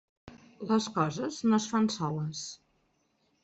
Les coses no es fan soles.